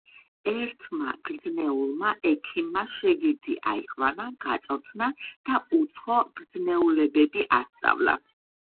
ერთმა გრძნეულმა ექიმმა შეგირდი აიყვანა, გაწვრთნა და უცხო გრძნეულებები ასწავლა.